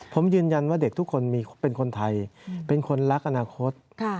ผมยืนยันว่าเด็กทุกคนมีเป็นคนไทยเป็นคนรักอนาคต